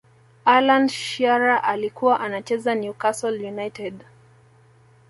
allan shearer alikuwa anacheza new castle united